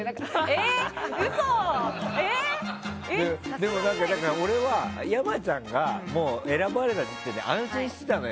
でも、俺は山ちゃんが選ばれた時点で安心してたのよ。